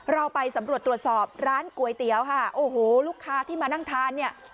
เราไปสำรวจตรวจสอบร้านก๋วยเตี๋ยวค่ะโอ้โหลูกค้าที่มานั่งทานเนี่ย